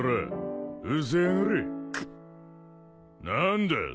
何だ？